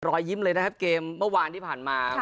รอยยิ้มเลยนะครับเกมเมื่อวานที่ผ่านมา